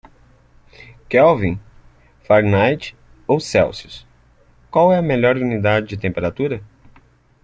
Kelvin? Fahrenheit ou Celsius - qual é a melhor unidade de temperatura?